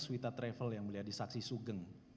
swita travel yang mulia disaksi sugen